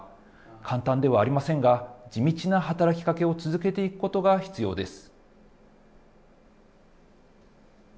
簡単ではありませんが、地道な働きかけを続けていくことが必要です。